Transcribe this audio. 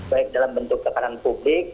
baik dalam bentuk tekanan publik